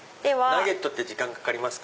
ナゲットって時間かかりますか？